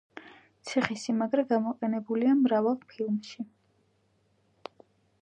ციხე-სიმაგრე გამოყენებულია მრავალ ფილმში.